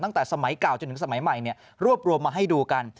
ตั้งแต่สมัยเก่าจนถึงสมัยใหม่รวบรวมมาให้ดูกัน